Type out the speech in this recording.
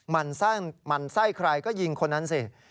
มันไส้ใครก็ยิงคนนั้นสิ